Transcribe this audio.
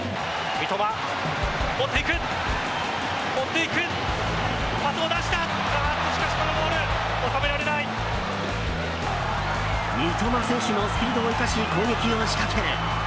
三笘選手のスピードを生かし攻撃を仕掛ける。